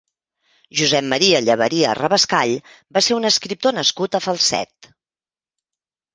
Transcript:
Josep Maria Llebaria Rabascall va ser un escriptor nascut a Falset.